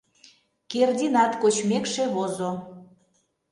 Кердинат кочмекше возо.